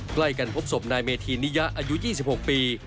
ใกล้กันพบศพนายเมธีนิยะอายุ๒๖ปี